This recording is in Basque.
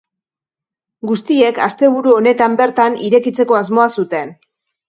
Guztiek asteburu honetan bertan irekitzeko asmoa zuten.